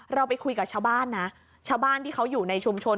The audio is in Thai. เราไปคุยกับชาวบ้านนะชาวบ้านที่เขาอยู่ในชุมชน